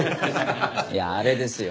いやあれですよ